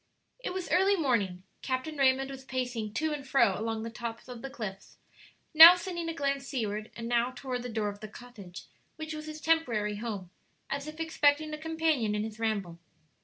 It was early morning; Captain Raymond was pacing to and fro along the top of the cliffs, now sending a glance seaward, and now toward the door of the cottage which was his temporary home, as if expecting a companion in his ramble.